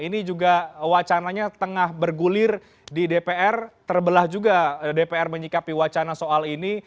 ini juga wacananya tengah bergulir di dpr terbelah juga dpr menyikapi wacana soal ini